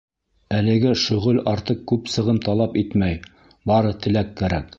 Әлеге шөғөл артыҡ күп сығым талап итмәй, бары теләк кәрәк.